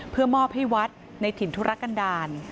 เพื่อมอบให้วัดในถิ่นธุรกันดาล